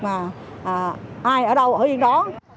mà ai ở đâu ở yên đó